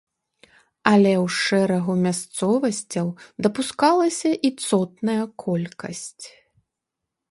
Але ў шэрагу мясцовасцяў дапускалася і цотная колькасць.